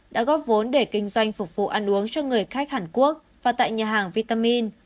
đã góp vốn để kinh doanh phục vụ ăn uống cho người khách hàn quốc và tại nhà hàng vitamin